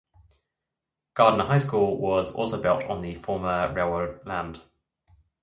Gardiner High School was also built on the former railroad land.